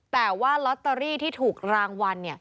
แต่ว่าลอตเตอรี่ที่ถูกรางวัล